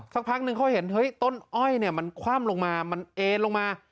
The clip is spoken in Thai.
สักพักหนึ่งเขาเห็นต้นอ้อยมันคว่ำลงมามันเอลลงมา